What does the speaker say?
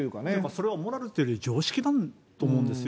それはモラルっていうより、常識だと思うんですよ。